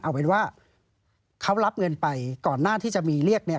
เอาเป็นว่าเขารับเงินไปก่อนหน้าที่จะมีเรียกเนี่ย